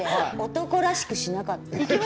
男らしくしなかった？